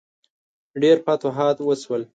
ډیر فتوحات وشول.